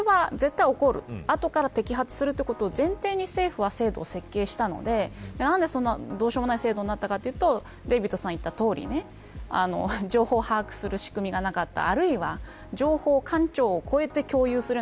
だから結局、不正は絶対に起こるあとから摘発することを前提に政府は、制度を設計したので何でどうしようもない制度になったかというとデービッドさんが言ったとおり情報把握する仕組みがなかった。